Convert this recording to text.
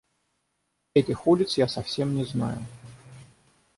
Этих улиц я совсем не знаю.